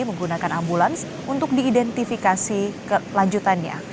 menggunakan ambulans untuk diidentifikasi kelanjutannya